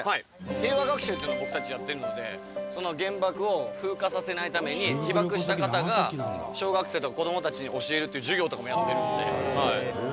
平和学習っていうのを僕たちやってるので原爆を風化させないために被爆した方が小学生とか子どもたちに教えるっていう授業とかもやってるのではい」